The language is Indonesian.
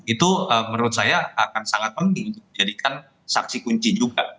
itu menurut saya akan sangat penting untuk dijadikan saksi kunci juga